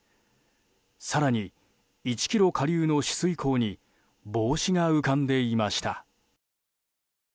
更に１ｋｍ下流の取水口に帽子が浮かんでいました。